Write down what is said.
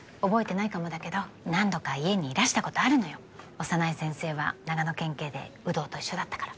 小山内先生は長野県警で有働と一緒だったから。